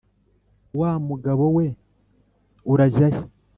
Wa mugabo we urajya he?"